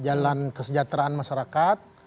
jalan kesejahteraan masyarakat